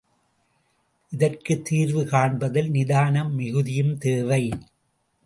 இதற்குத் தீர்வு காண்பதில் நிதானம் மிகுதியும் தேவை.